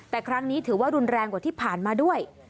แต่ครั้งนี้ถือว่ารุนแรงกว่าที่ผ่านมาด้วย